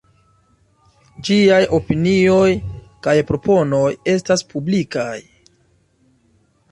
Ĝiaj opinioj kaj proponoj estas publikaj.